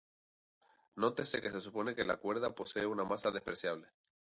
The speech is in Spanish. Nótese que se supone que la cuerda posee una masa despreciable.